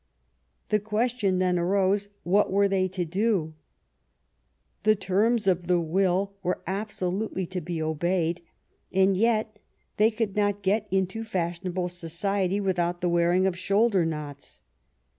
The question then arose what were they to dof The terms of the will were absolutely to be obeyed, and yet they could not get into fashion able society without the wearing of shoulder knots.